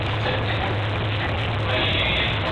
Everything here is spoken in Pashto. تېرې تجربې بايد وڅېړل شي، خو د راتلونکي د بندولو سبب ونه ګرځي.